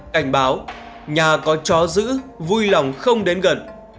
cảnh báo nhà có chó giữ vui lòng không đến gần